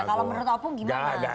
kalau menurut opung gimana